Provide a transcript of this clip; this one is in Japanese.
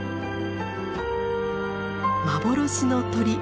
「幻の鳥」